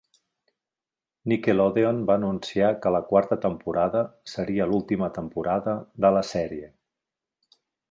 Nickelodeon va anunciar que la quarta temporada seria l'última temporada de la sèrie.